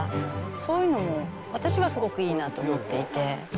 そういうのも私はすごくいいなと思っていて。